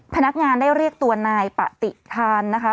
พนักงานได้เรียกตัวนายปฏิทานนะคะ